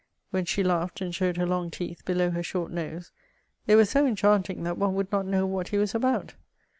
When she laughed and showed her long teeth below her short nose, it was so enchanting that one would not know what he was about.